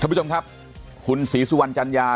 ผู้ชมครับคุณศรีสุวรรณจัญญา